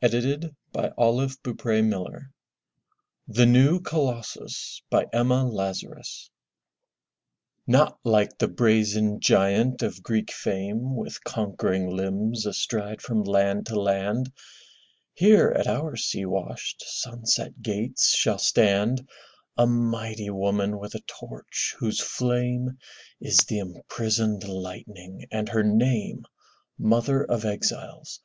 ^Abridged 171 M Y BOOK HOUSE THE NEW COLOSSUS* Emma Lazarus Not like the brazen giant of Greek fame, With conquering Hmbs astride from land to land; Here at our sea washed, sunset gates shall stand A mighty woman with a torch, whose flame Is the imprisoned lightning, and her name Mother of Exiles.